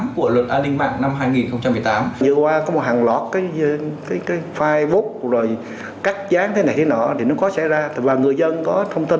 của luật an ninh mạng năm hai nghìn một mươi tám